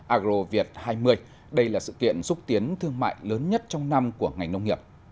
agroviet hai mươi đây là sự kiện xúc tiến thương mại lớn nhất trong năm của ngành nông nghiệp